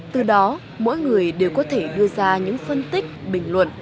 từ đó mỗi người đều có thể đưa ra những phân tích bình luận